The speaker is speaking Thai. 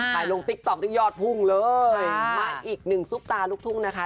กายลงติกต๊อกติ๊กยอดภูมิเลยมาอีก๑ซุปตาลุกทุ่งนะคะ